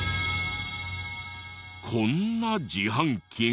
こんな自販機が！